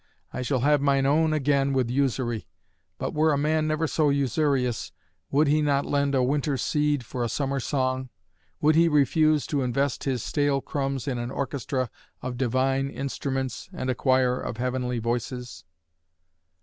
I shall have mine own again with usury. But were a man never so usurious, would he not lend a winter seed for a summer song? Would he refuse to invest his stale crumbs in an orchestra of divine instruments and a choir of heavenly voices?